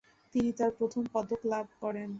তিনি তার প্রথম পদক লাভ করেন।